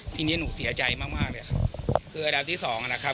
ทีนี้หนูเสียใจมากมากเลยค่ะคืออันดับที่สองนะครับ